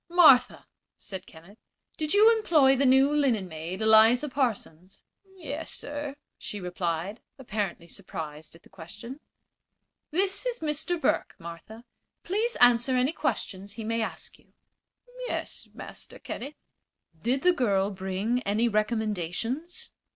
"Martha," said Kenneth, "did you employ the new linen maid, Eliza Parsons?" "Yes, sir," she replied, apparently surprised at the question. "This is Mr. Burke, Martha. Please answer any questions he may ask you." "Yes, Master Kenneth." "Did the girl bring any recommendations?"